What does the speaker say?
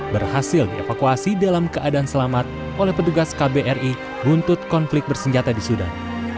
berhasil dievakuasi dalam keadaan selamat oleh petugas kbri buntut konflik bersenjata di sudan